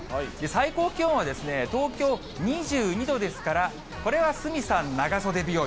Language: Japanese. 最高気温は東京２２度ですから、これは鷲見さん、長袖日和。